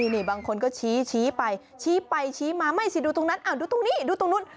นี่บางคนก็ชี้ไปชี้ไปชี้มาไม่สิดูตรงนั้นดูตรงนี้ดูตรงนู้น